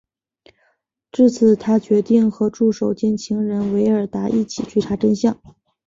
至此他决定和助手兼情人维尔达一起追查真相。